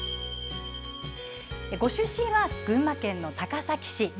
ご出身は群馬県の高崎市。